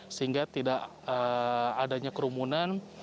sehingga tidak adanya kerumunan